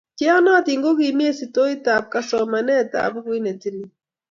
Cheyonotin kokimii eng sitosiek ab kasomanet ab bukut ne tilil